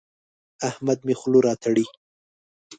احمد مې خوله راتړي.